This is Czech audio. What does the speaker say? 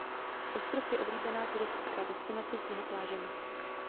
Ostrov je oblíbená turistická destinace s mnoha plážemi.